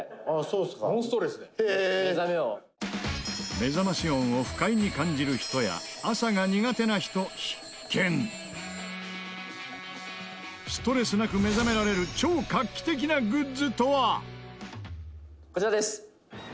目覚まし音を不快に感じる人や朝が苦手な人、必見ストレスなく目覚められる超画期的なグッズとは？